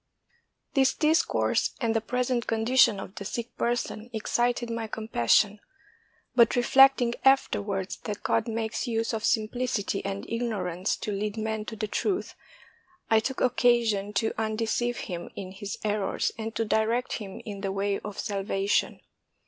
This discourse and the present condition of the sick person excited my compassion ; but reflecting afterwards that God makes use of simplicity and ignorance to lead men to the truth, I took occasion to undeceive him in his errors and to direct him in the way of salvation.